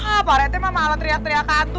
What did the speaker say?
ah parah teh mah malah teriak teriak hantu